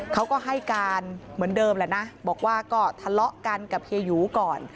เขาก็ให้การเหมือนเดิมแหละนะบอกว่าก็ทะเลาะกันกับเฮียหยูก่อน